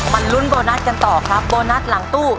ลุ้นโบนัสกันต่อครับโบนัสหลังตู้